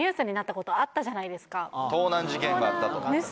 盗難事件があったと。